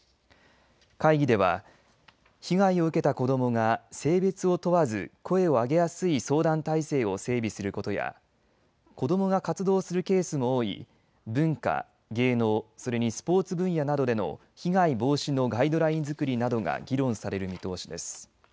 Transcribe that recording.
会議では被害を受けた子どもが性別を問わず声を上げやすい相談体制を整備することや子どもが活動するケースも多い文化、芸能それにスポーツ分野などでの被害防止のガイドラインづくりなどが議論される見通しです。